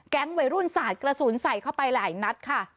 วัยรุ่นสาดกระสุนใส่เข้าไปหลายนัดค่ะ